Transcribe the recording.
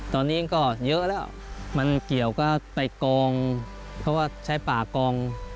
ตอนนี้ก็เยอะแล้วมันเกี่ยวก็ไปกองเพราะว่าใช้ป่ากอง